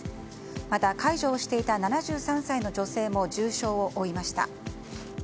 また、介助をしていた７３歳の女性も重傷を負いました。